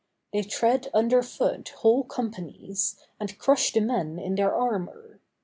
They tread under foot whole companies, and crush the men in their armor.